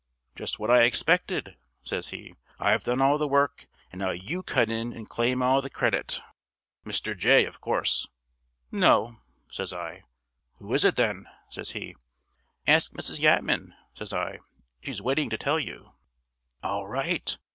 "Just what I expected," says he. "I've done all the work, and now you cut in and claim all the credit Mr. Jay, of course." "No," says I. "Who is it then?" says he. "Ask Mrs. Yatman," says I. "She's waiting to tell you." "All right!